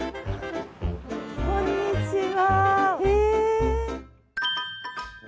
こんにちは。